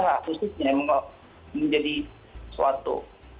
agar khususnya menjadi suatu